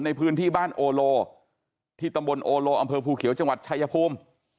ในพื้นที่บ้านโอโลที่ตำบลโอโลอำเภอภูเขียวจังหวัดชายภูมิ